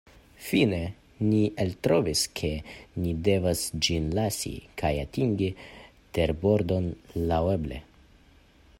Fine, ni eltrovis ke ni devas ĝin lasi, kaj atingi terbordon laŭeble.